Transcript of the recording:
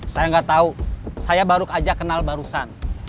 saya gak tau saya baru aja kenal barusan